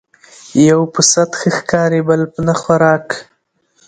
ـ يو په سعت ښه ښکاري بل په نه خوراک